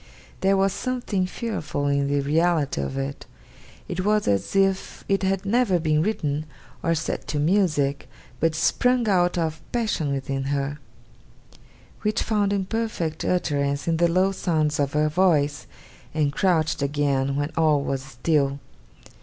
There was something fearful in the reality of it. It was as if it had never been written, or set to music, but sprung out of passion within her; which found imperfect utterance in the low sounds of her voice, and crouched again when all was still.